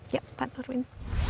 ya pak nurdin